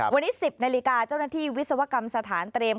วันนี้๑๐นาฬิกาเจ้าหน้าที่วิศวกรรมสถานเตรียม